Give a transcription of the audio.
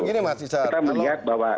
kita melihat bahwa